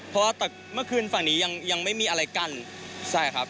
เพราะว่าเมื่อคืนฝั่งนี้ยังยังไม่มีอะไรกั้นใช่ครับ